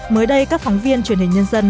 mới đây các phóng viên truyền hình nhân dân